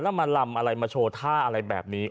แล้วมาลำอะไรมาโชว์ท่าอะไรแบบนี้